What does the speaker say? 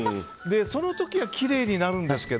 その時はきれいになるんですけど。